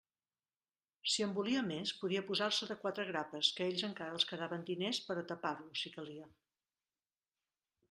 Si en volia més, podia posar-se de quatre grapes, que a ells encara els quedaven diners per a tapar-lo, si calia.